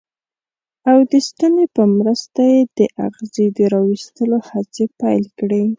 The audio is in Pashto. او د ستنې په مرسته یې د اغزي د را ویستلو هڅې پیل کړې.